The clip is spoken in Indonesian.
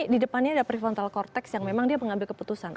di depannya ada prefrontal cortext yang memang dia mengambil keputusan